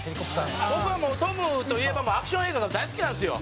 僕はもうトムといえばアクション映画が大好きなんですよ。